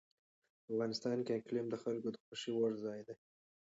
افغانستان کې اقلیم د خلکو د خوښې وړ ځای دی.